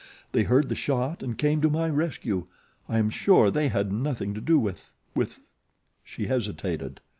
They heard the shot and came to my rescue. I am sure they had nothing to do with with " she hesitated.